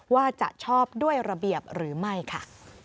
ว่าจะชอบด้วยระเบียบหรือไม่ค่ะ